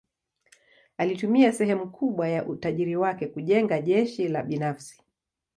Alitumia sehemu kubwa ya utajiri wake kujenga jeshi la binafsi.